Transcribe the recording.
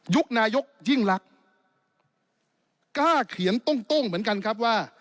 นายกยิ่งรักกล้าเขียนโต้งเหมือนกันครับว่า